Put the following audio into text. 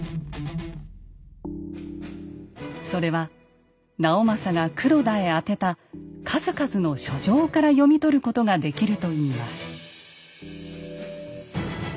それは直政が黒田へ宛てた数々の書状から読み取ることができるといいます。